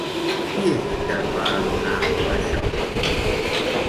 Qui és que es va adonar d'això?